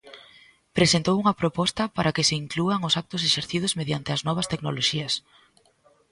Presentou unha proposta para que se inclúan os actos exercidos mediante as novas tecnoloxías.